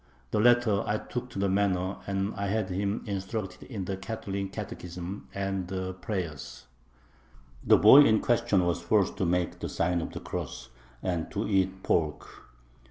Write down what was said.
The latter I took to the manor, and I had him instructed in the [Catholic] catechism and the prayers. The boy in question was forced to make the sign of the cross and to eat pork.